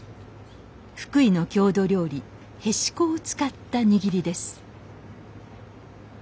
福井の郷土料理へしこを使った握りです